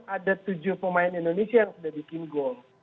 ada tujuh pemain indonesia yang sudah bikin gol